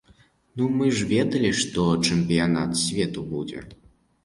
Ну, мы ж ведалі, што чэмпіянат свету будзе.